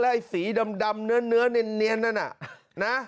ไอ้สีดำเนื้อเนียนนั่นน่ะนะ